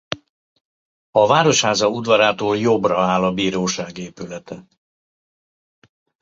A városháza udvarától jobbra áll a bíróság épülete.